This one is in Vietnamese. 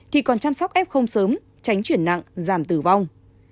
thì còn chăm sóc f sớm tránh chuyển nặng giảm tử vong